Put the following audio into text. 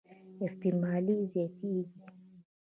احتمالي یې زياتېږي.